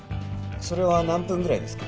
それは何分ぐらいですか？